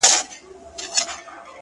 • جـنــگ له فريادي ســــره،